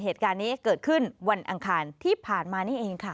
เหตุการณ์นี้เกิดขึ้นวันอังคารที่ผ่านมานี่เองค่ะ